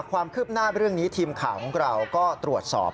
ความคืบหน้าเรื่องนี้ทีมข่าวของเราก็ตรวจสอบ